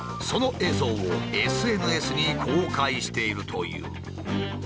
その映像をＳＮＳに公開しているという。